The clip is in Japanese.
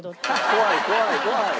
怖い怖い怖い。